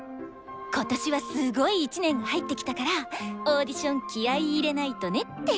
今年はすごい１年が入ってきたからオーディション気合い入れないとねって。